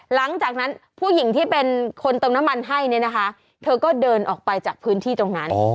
หลังจากนั้นผู้หญิงที่เป็นคนเติมน้ำมันให้เนี่ยนะคะเธอก็เดินออกไปจากพื้นที่ตรงนั้น